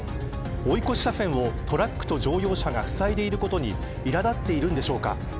追い越し車線をトラックと乗用車がふさいでいることに苛立っているんでしょうか。